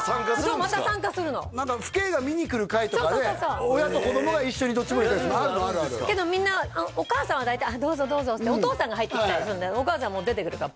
そうまた参加するの何か父兄が見に来る会とかで親と子供が一緒にドッヂボールやったりするのあるのあるあるけどみんなお母さんは大体どうぞどうぞってお父さんが入ってきたりするんで「お母さんも出てくるから」